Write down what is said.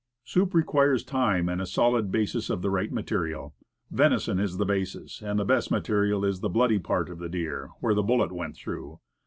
Soup re quires time, and a solid basis of the right material. Venison is the basis, and the best material is the bloody part of the deer, where the bullet went through.